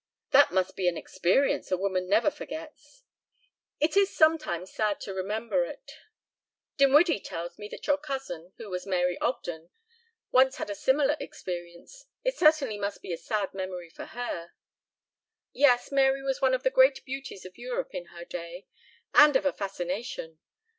"That must be an experience a woman never forgets." "It is sometimes sad to remember it." "Dinwiddie tells me that your cousin, who was Mary Ogden, once had a similar experience. It certainly must be a sad memory for her." "Yes, Mary was one of the great beauties of Europe in her day and of a fascination!